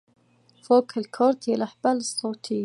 It was denounced and forbidden as a heathen practice by Augustine.